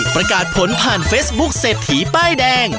ประกาศผลผ่านเฟซบุ๊คเศรษฐีป้ายแดง